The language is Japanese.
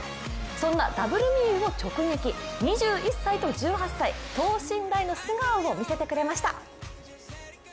そんなＷみゆうを直撃、２１歳と１８歳、等身大の素顔をみせてくれました。